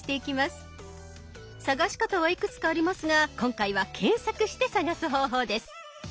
探し方はいくつかありますが今回は検索して探す方法です。